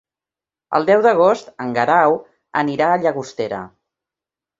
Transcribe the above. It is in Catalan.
El deu d'agost en Guerau anirà a Llagostera.